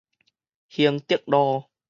興德路